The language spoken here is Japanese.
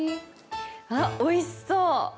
あっおいしそう！